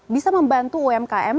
bisa membantu umkm